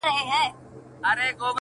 پوليس کور پلټي او هر کونج ته ځي